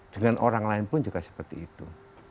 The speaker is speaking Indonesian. dengan orang lain pun juga seperti itu